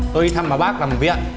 tôi đi thăm bà bác làm việc